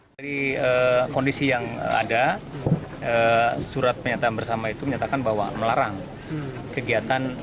dari kondisi yang ada surat pernyataan bersama itu menyatakan bahwa melarang kegiatan